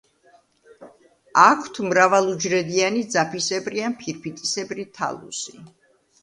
აქვთ მრავალუჯრედიანი, ძაფისებრი ან ფირფიტისებრი თალუსი.